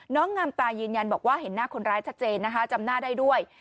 งามตายืนยันบอกว่าเห็นหน้าคนร้ายชัดเจนนะคะจำหน้าได้ด้วย